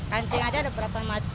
kancing aja ada berapa macam